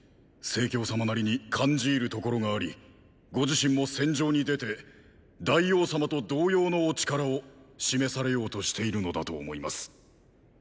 成様なりに感じ入るところがありご自身も戦場に出て大王様と同様のお力を示されようとしているのだと思います。